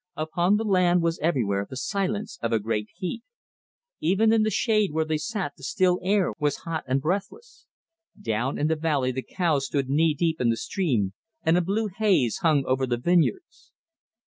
Upon the land was everywhere the silence of a great heat. Even in the shade where they sat the still air was hot and breathless. Down in the valley the cows stood knee deep in the stream, and a blue haze hung over the vineyards.